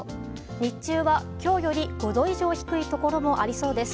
日中は今日より５度以上低いところもありそうです。